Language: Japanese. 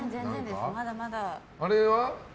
あれは？